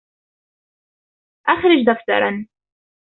أخرج دفترًا.